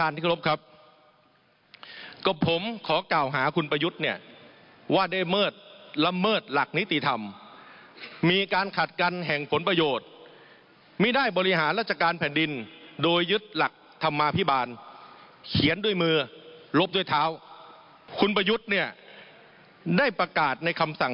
นี้ก็คือสำคัญแน่นอนคุณประยุทธ์ได้ประกาศในคำสั่ง